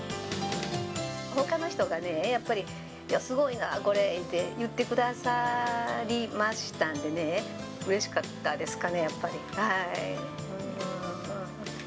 ほかの人がねぇ、やっぱり、すごいなこれって言ってくださりましたんでね、うれしかったですかね、やっぱり。